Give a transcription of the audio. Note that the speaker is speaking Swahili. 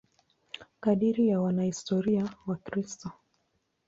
Kadiri ya wanahistoria Wakristo.